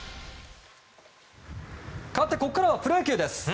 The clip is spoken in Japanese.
かわってここからはプロ野球です。